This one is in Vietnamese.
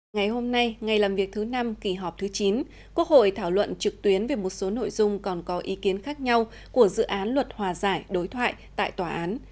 ngày hôm nay ngày làm việc thứ năm kỳ họp thứ chín quốc hội thảo luận trực tuyến về một số nội dung còn có ý kiến khác nhau của dự án luật hòa giải đối thoại tại tòa án